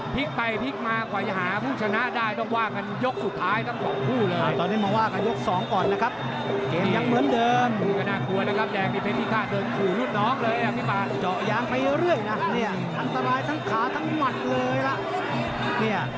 พลิกไปพลิกมาไว้หาผู้ชนะได้ต้องว่าอย่างยกสุดท้ายทั้งสองผู้เลย